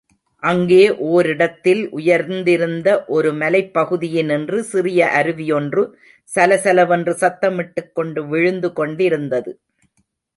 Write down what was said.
அங்கே ஓரிடத்திலே உயர்ந்திருந்த ஒரு மலைப்பகுதியினின்று சிறிய அருவியொன்று சலசலவென்று சத்தமிட்டுக் கொண்டு விழுந்துகொண்டிருந்தது.